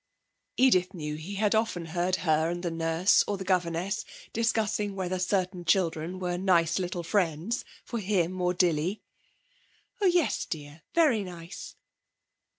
Edith knew he had often heard her and the nurse or the governess discussing whether certain children were nice little friends for him or Dilly. 'Oh yes, dear, very nice.'